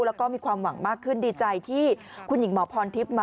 แล้วก็มีความหวังมากขึ้นดีใจที่คุณหญิงหมอพรทิพย์มา